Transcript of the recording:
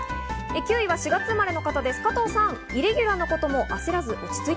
９位は４月生まれの方、加藤さん。